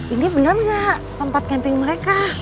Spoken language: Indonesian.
ini bener ga tempat camping mereka